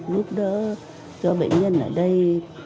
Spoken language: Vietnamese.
lúc đó cho bệnh nhân ở đây